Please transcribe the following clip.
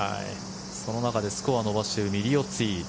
その中でスコアを伸ばしているミリオッツィ。